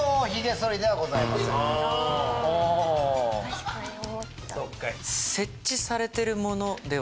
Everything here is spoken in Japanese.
確かに思った。